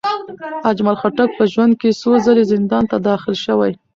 اجمل خټک په ژوند کې څو ځلې زندان ته داخل شوی.